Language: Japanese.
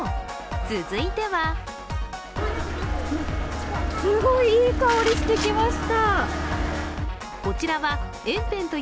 続いてはすごいいい香り、してきました。